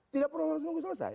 tidak perlu harus menunggu selesai